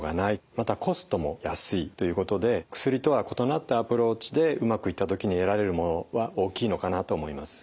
またコストも安いということで薬とは異なったアプローチでうまくいった時に得られるものは大きいのかなと思います。